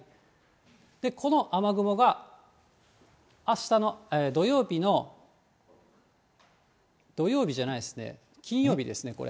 この雨雲があしたの土曜日の、土曜日じゃないですね、金曜日ですね、これ。